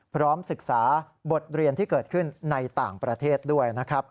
พร้อมศึกษาบทเรียนที่เกิดขึ้นในต่างประเทศด้วยนะครับ